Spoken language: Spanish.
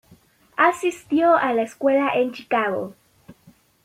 Asistió a la escuela en Chicago.